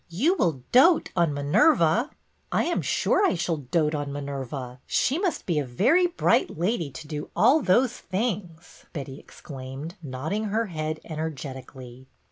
You will dote on Minerva." '' I am sure I shall dote on Minerva. She must be a very bright lady to do all those things," Betty exclaimed, nodding her head energetically.